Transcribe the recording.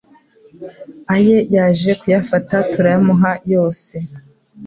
Aye yaje kuyafata turayamuha yose